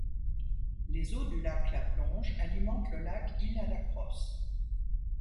Les eaux du lac La Plonge alimente le lac Île-à-la-Crosse.